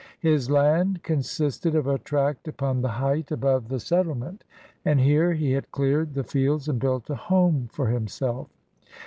His land consisted of a tract upon the height above the settlement, and here he had cleared the fields and built a home for himself.